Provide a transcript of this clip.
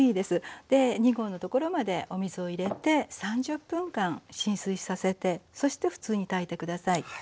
で２合のところまでお水を入れて３０分間浸水させてそして普通に炊いて下さい。